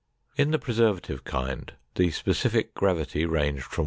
In the preservative kind, the specific gravity ranged from 1.